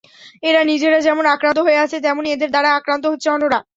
এরা নিজেরা যেমন আক্রান্ত হয়ে আছে, তেমনি এদের দ্বারা আক্রান্ত হচ্ছে অন্যরা।